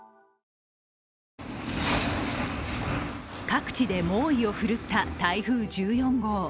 各地で猛威を振るった台風１４号。